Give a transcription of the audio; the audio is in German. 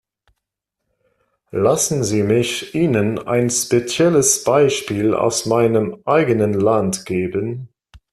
Lassen Sie mich Ihnen ein spezielles Beispiel aus meinem eigenen Land geben.